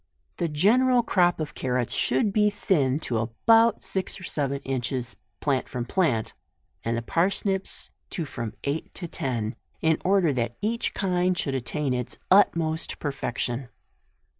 The general crop of carrots should be thinned to about six or seven inch es, plant from plant, and the parsnips to from eight to ten, in order that each kind should at tain its utmost perfection.